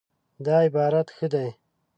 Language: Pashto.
دا عبارت ښه دی